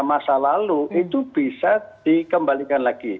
masa lalu itu bisa dikembalikan lagi